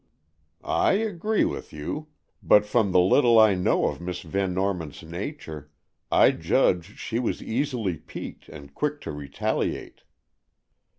"I agree with you; but from the little I know of Miss Van Norman's nature, I judge she was easily piqued and quick to retaliate."